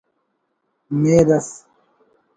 مہر ئس